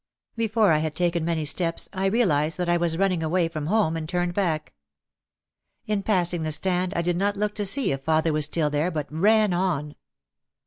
Before I had taken many steps I realised that I was running away from home and turned back. In passing the stand I did not look to see if father was still there but ran on.